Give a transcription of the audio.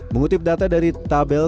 mengutip data dari tabel